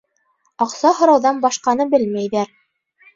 Аҡса һорауҙан башҡаны белмәйҙәр.